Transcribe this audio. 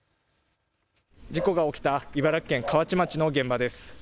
事故が起きた茨城県河内町の現場です。